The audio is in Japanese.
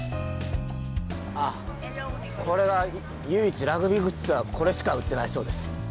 あっ、これが唯一ラグビーグッズはこれしか売ってないそうです。